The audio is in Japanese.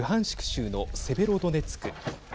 州のセベロドネツク。